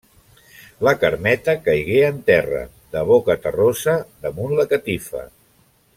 La Carmeta caigué en terra, de boca terrosa damunt la catifa.